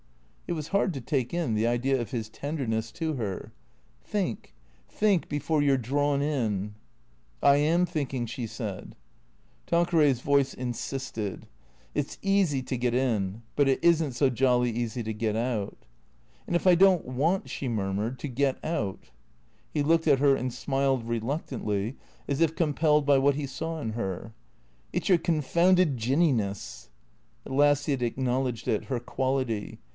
It was hard to take in, the idea of his tenderness to her. " Think — think, before you 're drawn in." " I am thinking," she said. Tanqueray's voice insisted. " It 's easy to get in ; but it is n't so jolly easy to get out." " And if I don't want," she murmured, " to get out ?" He looked at her and smiled, reluctantly, as if compelled by what he saw in her. " It 's your confounded Jinniness !" At last he had acknowledged it, her quality.